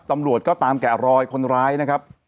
ตำรวจก็ตามแกะรอยคนร้ายนะครับ